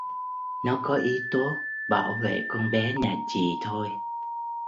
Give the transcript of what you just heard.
nó có ý tốt bảo vệ con bé nhà chị thôi